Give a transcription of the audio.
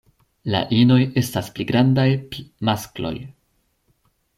La inoj estas pli grandaj pl maskloj.